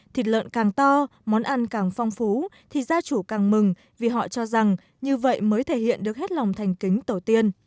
thịt lợn càng to món ăn càng phong phú thì gia chủ càng mừng vì họ cho rằng như vậy mới thể hiện được hết lòng thành kính tổ tiên